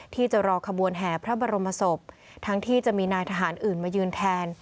ที่จะรอขบวนแห่พระบรมศพทั้งที่จะมีนายทหารอื่นมายืนแทน